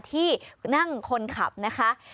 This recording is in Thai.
ที่นั่งคนขับนะคะ